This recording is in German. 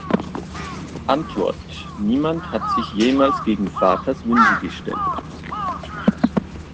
Antwort: Niemand hat sich jemals gegen Vaters Wünsche gestellt.